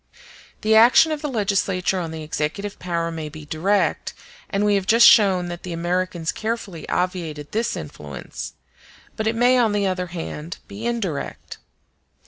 The action of the legislature on the executive power may be direct; and we have just shown that the Americans carefully obviated this influence; but it may, on the other hand, be indirect.